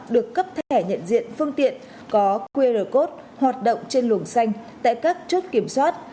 được cấp thẻ nhận diện phương tiện có qr code hoạt động trên luồng xanh tại các chốt kiểm soát